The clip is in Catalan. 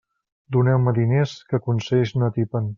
Doneu-me diners, que consells no atipen.